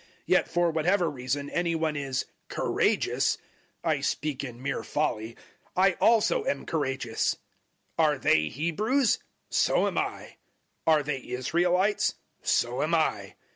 Yet for whatever reason any one is `courageous' I speak in mere folly I also am courageous. 011:022 Are they Hebrews? So am I. Are they Israelites? So am I.